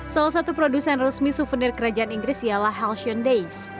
salah satu produsen resmi souvenir kerajaan inggris ialah halsyun days